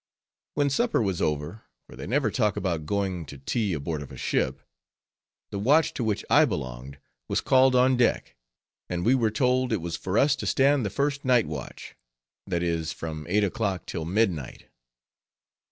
When supper was over, for they never talk about going to tea aboard of a ship, the watch to which I belonged was called on deck; and we were told it was for us to stand the first night watch, that is, from eight o'clock till midnight.